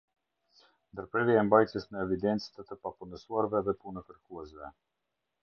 Ndërprerja e mbajtjes në evidencë të të papunësuarve dhe punëkërkuesve.